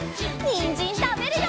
にんじんたべるよ！